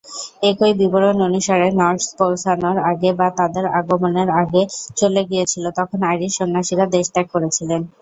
একই বিবরণ অনুসারে, নর্স পৌঁছানোর আগে বা তাদের আগমনের আগে চলে গিয়েছিল তখন আইরিশ সন্ন্যাসীরা দেশ ত্যাগ করেছিলেন।